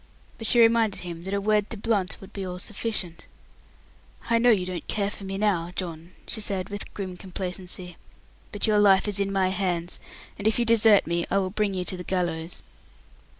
But she reminded him that a word to Blunt would be all sufficient. "I know you don't care for me now, John," she said, with grim complacency; "but your life is in my hands, and if you desert me I will bring you to the gallows."